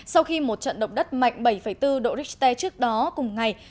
sau khi một trận động đất mạnh bảy bốn độ richter trước đó cùng ngày